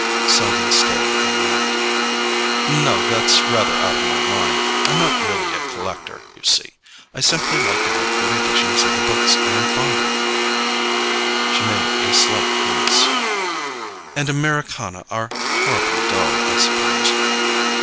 Selden stared and laughed. "No, that's rather out of my line. I'm not really a collector, you see; I simply like to have good editions of the books I am fond of." She made a slight grimace. "And Americana are horribly dull, I suppose?"